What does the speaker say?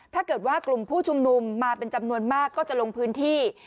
ถ้าเกิดว่ากลุ่มผู้ชุมนุมมาเป็นจำนวนมากก็จะลงพื้นที่